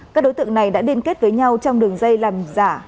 các đối tượng này đã liên kết với nhau trong đường dây làm giả